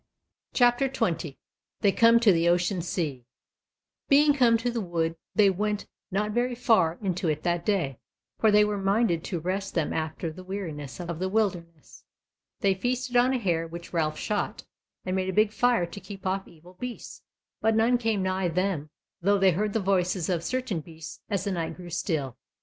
CHAPTER 20 They Come to the Ocean Sea Being come to the wood they went not very far into it that day, for they were minded to rest them after the weariness of the wilderness: they feasted on a hare which Ralph shot, and made a big fire to keep off evil beasts, but none came nigh them, though they heard the voices of certain beasts as the night grew still.